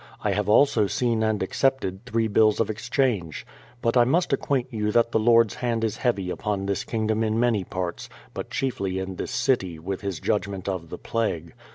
I have also seen and accepted three bills of exchange. ... But I must acquaint you that the Lord's hand is heavy upon this kingdom in many parts, but chiefly in this city, with His judgment of the plague.